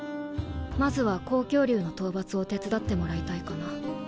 まずは紅鏡竜の討伐を手伝ってもらいたいかな。